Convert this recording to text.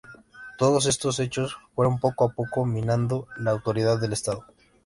Todos estos hechos fueron poco a poco minando la autoridad del Estado.